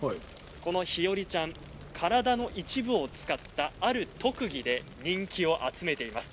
この日和ちゃん体の一部を使ったある特技で人気を集めています。